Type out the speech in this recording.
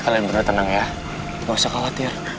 kalian bener tenang ya gak usah khawatir